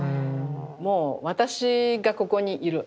もう私がここにいる。